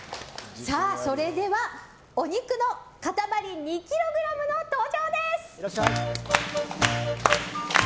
それでは、お肉の塊２ｋｇの登場です。